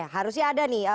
harusnya ada nih